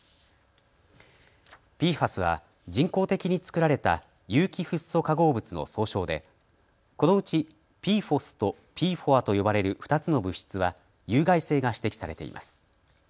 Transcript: ＰＦＡＳは人工的に作られた有機フッ素化合物の総称でこのうちＰＦＯＳとＰＦＯＡと呼ばれる２つの物質は有害性が指摘されています。